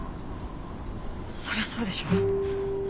そりゃそうでしょ。